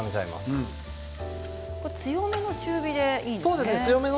強火の中火でいいんですね。